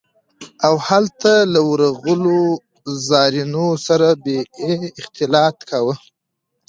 او هلته له ورغلو زايرينو سره به يې اختلاط کاوه.